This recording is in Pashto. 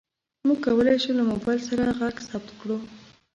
موږ کولی شو له موبایل سره غږ ثبت کړو.